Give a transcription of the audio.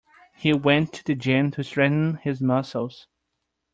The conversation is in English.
He went to gym to strengthen his muscles.